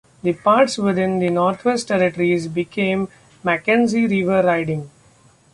The parts within the Northwest Territories became Mackenzie River riding.